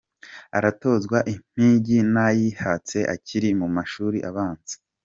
Aratozwa impigi n’akayihatse akiri mu mashuli abanza.